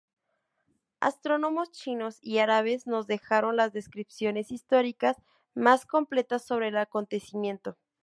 Astrónomos chinos y árabes nos dejaron las descripciones históricas más completas sobre el acontecimiento.